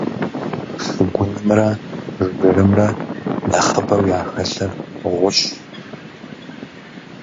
Шыгунымрэ жырымрэ нэхъыбэу яхэлъыр гъущӀщ.